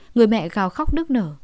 người mẹ gào khóc nức nở